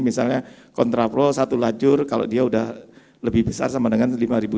misalnya kontrapro satu lajur kalau dia sudah lebih besar sama dengan lima lima ratus